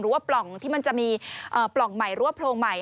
ปล่องที่มันจะมีปล่องใหม่หรือว่าโพรงใหม่